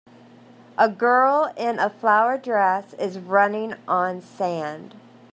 A girl in a flower dress is running on sand.